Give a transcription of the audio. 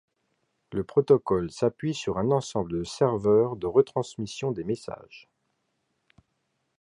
Le protocole s'appuie sur un ensemble de serveur de re-transmission des messages.